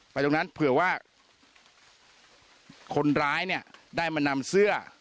ตรงนั้นเผื่อว่าคนร้ายเนี่ยได้มานำเสื้อ